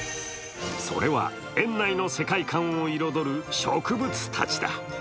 それは、園内の世界観を彩る植物たちだ。